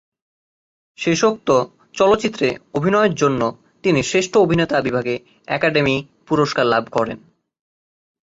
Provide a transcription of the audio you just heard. শেষোক্ত চলচ্চিত্রে অভিনয়ের জন্য তিনি শ্রেষ্ঠ অভিনেতা বিভাগে একাডেমি পুরস্কার লাভ করেন।